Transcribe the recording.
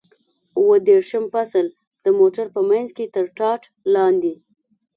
دوه دېرشم فصل: د موټر په منځ کې تر ټاټ لاندې.